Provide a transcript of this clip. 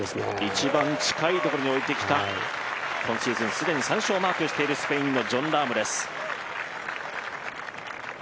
一番近いところに置いてきた、今シーズン既に３勝をマークしているスペインのジョン・ラームです。